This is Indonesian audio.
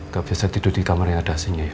gak bisa tidur di kamar yang ada asinnya ya